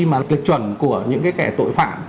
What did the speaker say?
mà lực chuẩn của những cái kẻ tội phạm